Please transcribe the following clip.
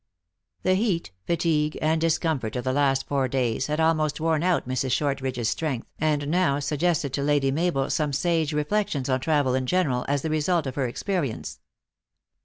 The heat, fatigue, and discomfort of the last four days had almost worn out Mrs. Shortriclge s strength, and now suggested to Lady Mabel some sage reflec tions on travel in general, as the result of her ex perience.